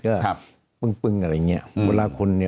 ก็ยังปึ้งอะไรอย่างนี้